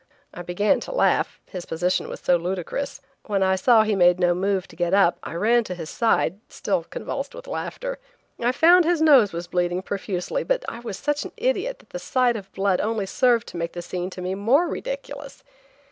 I began to laugh, his position was so ludicrous. When I saw he made no move to get up, I ran to his side, still convulsed with laughter. I found his nose was bleeding profusely, but I was such an idiot that the sight of the blood only served to make the scene to me the more ridiculous.